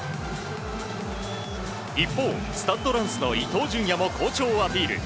一方、スタッド・ランスの伊東純也も好調をアピール。